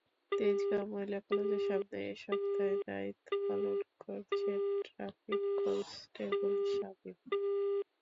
তেজগাঁও মহিলা কলেজের সামনে এ সপ্তাহে দায়িত্ব পালন করছেন ট্রাফিক কনস্টেবল শামীম।